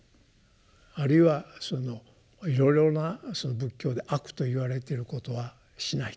あるいはいろいろな仏教で悪と言われてることはしないと。